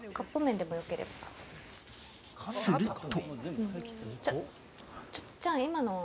すると。